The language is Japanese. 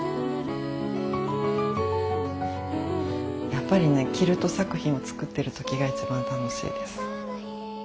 やっぱりねキルト作品を作ってる時が一番楽しいです。